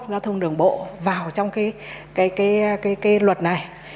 giao thông đường bộ vào trong cái luật này